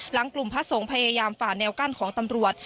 หลังกลุ่มพระสงฆ์พยายามฝ่าแนวกั้นของตำรวจ